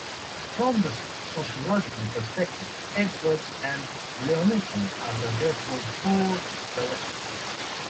From this sociological perspective, Edwards and Lewontin are therefore both correct.